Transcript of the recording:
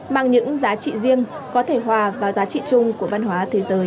mang những giá trị riêng có thể hòa vào giá trị chung của văn hóa thế giới